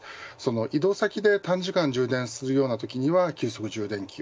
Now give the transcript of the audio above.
移動先で短時間充電するようなときには急速充電器を。